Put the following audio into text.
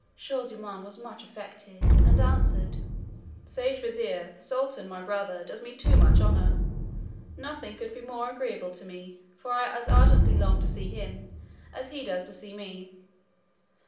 Shaw zummaun was much affected, and answered: "Sage vizier, the sultan my brother does me too much honour; nothing could be more agreeable to me, for I as ardently long to see him as he does to see me.